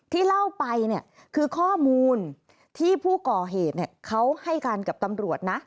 เล่าไปเนี่ยคือข้อมูลที่ผู้ก่อเหตุเขาให้กันกับตำรวจนะ